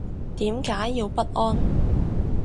點解要不安